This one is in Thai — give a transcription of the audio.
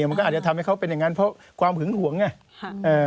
มันก็อาจจะทำให้เขาเป็นอย่างนั้นเพราะความหึงหวงไง